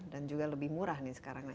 dan juga lebih murah nih sekarang